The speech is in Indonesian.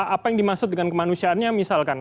apa yang dimaksud dengan kemanusiaannya misalkan